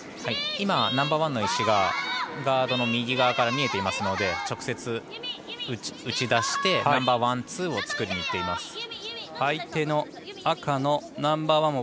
今ナンバーワンの石がガードの右側から見えていますので直接打ち出してナンバーワンツーを作りにいきます。